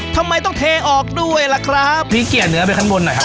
ทำไมต้องเทออกด้วยล่ะครับผีเกียร์เหนือไปข้างบนหน่อยครับ